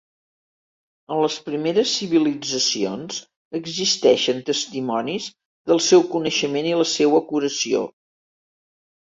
En les primeres civilitzacions existeixen testimonis del seu coneixement i la seua curació.